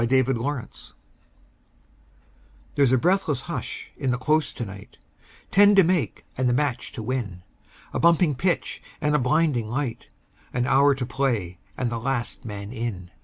Vitaï Lampada There's a breathless hush in the Close to night Ten to make and the match to win A bumping pitch and a blinding light, An hour to play and the last man in.